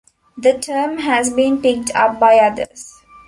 The term has been picked up by others.